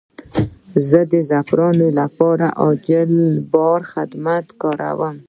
زه د زعفرانو لپاره عاجل بار خدمت کاروم.